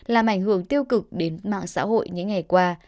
làm ảnh hưởng tiêu cực đến mạng xã hội những ngày qua